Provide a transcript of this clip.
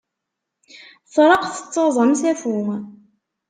Treqq tettaẓ am usafu.